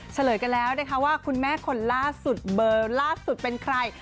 เฉลยกันแล้วนะคะว่าคุณแม่คนล่าสุดเบอร์ล่าสุดเป็นใคร